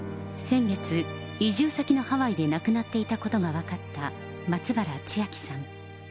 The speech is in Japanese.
先月、移住先のハワイで亡くなっていたことが分かった、松原千明さん。